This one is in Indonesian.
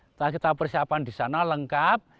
setelah kita persiapan di sana lengkap